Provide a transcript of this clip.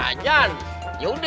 kalau memang mau ke warung lilis